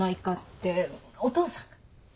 お父さんが。